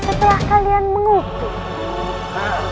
setelah kalian mengutuk